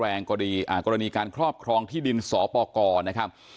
แรงก็ดีอ่ากรณีการครอบครองที่ดินสลป์เฮอลปอ